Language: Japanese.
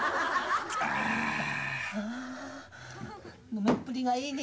飲みっぷりがいいね。